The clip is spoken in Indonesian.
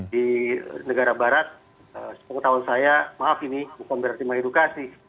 di negara barat sepengetahuan saya maaf ini bukan berarti mengedukasi